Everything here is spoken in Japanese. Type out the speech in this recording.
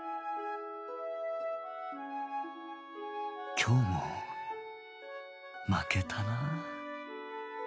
今日も負けたなあ